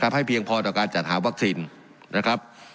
ให้เพียงพอต่อการจัดหาวัคซีนนะครับ